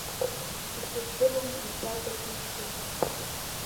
Исыздыруам иахьа закә мшу.